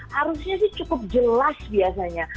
harusnya sih cukup jelas biasanya